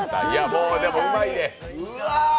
もうでもうまいで。